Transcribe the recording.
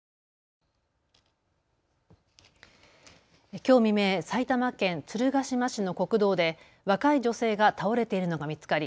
きょう未明、埼玉県鶴ヶ島市の国道で若い女性が倒れているのが見つかり